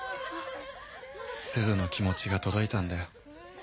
すずの気持ちが届いたんだよ。